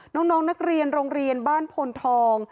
น้องนักเรียนโรงเรียนบ้านพลทอง